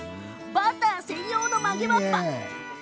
バター専用の曲げわっぱ。